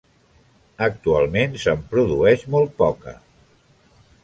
Actualment se'n produeix molt poca.